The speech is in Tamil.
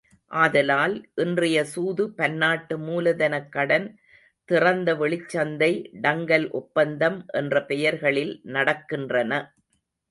ஆதலால், இன்றைய சூது பன்னாட்டு மூலதனக் கடன், திறந்த வெளிச்சந்தை, டங்கல் ஒப்பந்தம் என்ற பெயர்களில் நடக்கின்றன.